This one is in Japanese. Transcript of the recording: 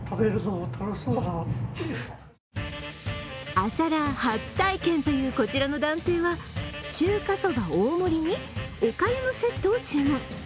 朝ラー初体験というこちらの男性は中華そば大盛りにおかゆのセットを注文。